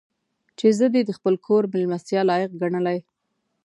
چې زه دې د خپل کور مېلمستیا لایق ګڼلی.